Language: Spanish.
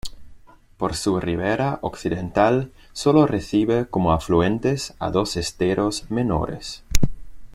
Por su ribera occidental sólo recibe como afluentes a dos esteros menores.